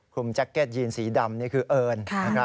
แจ็คเก็ตยีนสีดำนี่คือเอิญ